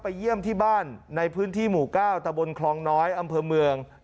เยี่ยมที่บ้านในพื้นที่หมู่๙ตะบนคลองน้อยอำเภอเมือง